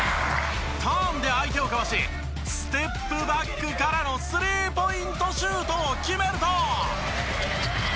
ターンで相手をかわしステップバックからのスリーポイントシュートを決めると。